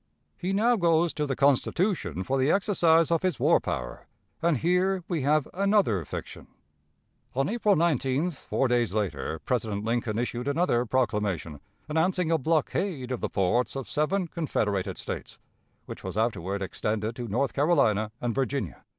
He now goes to the Constitution for the exercise of his war power, and here we have another fiction. On April 19th, four days later, President Lincoln issued another proclamation, announcing a blockade of the ports of seven confederated States, which was afterward extended to North Carolina and Virginia.